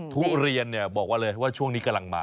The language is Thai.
ทุเรียนเนี่ยบอกว่าเลยว่าช่วงนี้กำลังมา